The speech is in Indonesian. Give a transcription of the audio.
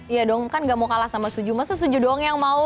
iya dong kan gak mau kalah sama suju masa sujuh doang yang mau